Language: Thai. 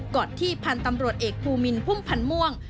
อดที่พันธ์ตำรวจเอกภูมินพุ่มพันธ์ม่วง